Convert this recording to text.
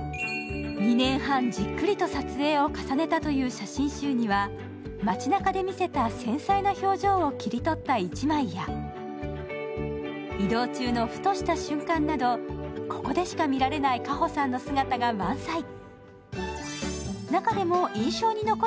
２年半じっくりと撮影を重ねたという写真集には街中で見せた繊細な表情を切り取った１枚や、移動中のふとした瞬間など、ここでしか見られない夏帆さんの姿が満載。